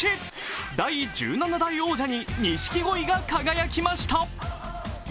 第１７代王者に錦鯉が輝きました。